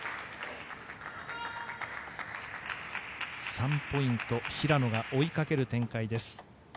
３ポイント平野が追いかける展開です。